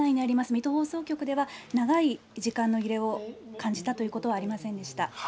水戸放送局では、長い時間の揺れを感じたということはありませんでした。